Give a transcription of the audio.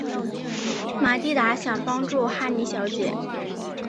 玛蒂达想帮助哈妮小姐。